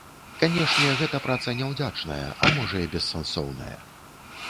Канешне, гэта праца няўдзячная, а можа і бессэнсоўная.